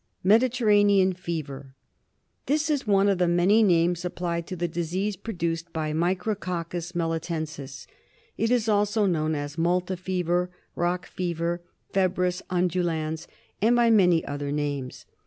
Mediterranean Fever. This is one of the many names applied to the dis ease produced by the Micrococcus melitensis. It is also known as Malta Fever, Rock Fever, Febris undulans, and by many other names.